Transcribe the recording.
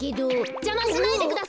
じゃましないでください！